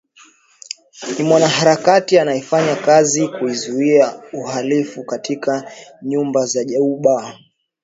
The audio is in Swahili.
ni mwanaharakati anayefanya kazi kuzuia uhalifu katika nyumba za Juba